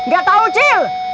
gak tau cil